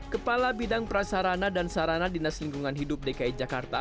kepala bidang prasarana dan sarana dinas lingkungan hidup dki jakarta